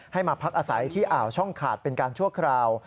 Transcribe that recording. มาพักอาศัยที่อ่าวช่องขาดเป็นการชั่วคราว